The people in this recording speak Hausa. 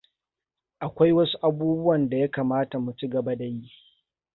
Akwai wasu abubuwan da ya kamata mu ci gaba da yi.